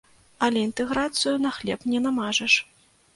Але інтэграцыю на хлеб не намажаш.